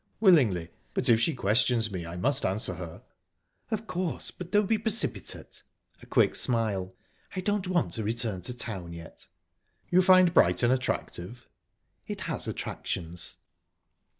"Willingly; but if she questions me, I must answer her." "Of course, but don't be precipitate." A quick smile. "I don't want to return to town yet." "You find Brighton attractive?" "It has attractions."